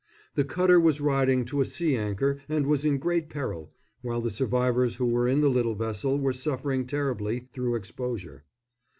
The cutter was riding to a sea anchor and was in great peril, while the survivors who were in the little vessel were suffering terribly through exposure.